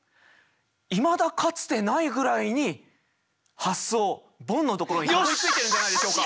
いまだかつてないぐらいに発想ボンのところにたどりついてるんじゃないでしょうか。